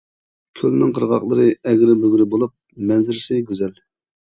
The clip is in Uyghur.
كۆلنىڭ قىرغاقلىرى ئەگرى-بۈگرى بولۇپ، مەنزىرىسى گۈزەل.